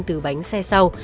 từ bánh xe sau